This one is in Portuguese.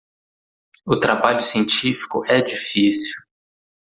O trabalho científico é difícil.